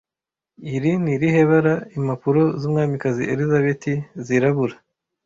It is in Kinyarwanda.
Ni irihe bara impapuro z'umwamikazi Elizabeti zirabura